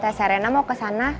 tese rena mau ke sana